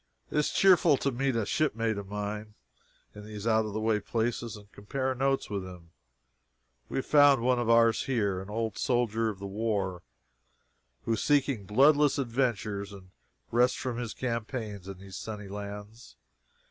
It is cheerful to meet a shipmate in these out of the way places and compare notes with him. We have found one of ours here an old soldier of the war, who is seeking bloodless adventures and rest from his campaigns in these sunny lands.